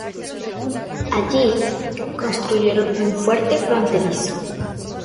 Allí, construyeron un fuerte fronterizo.